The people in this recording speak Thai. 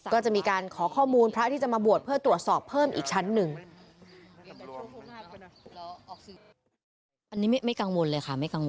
ก็จะมีการขอข้อมูลพระที่จะมาบวชเพื่อตรวจสอบเพิ่มอีกชั้นหนึ่ง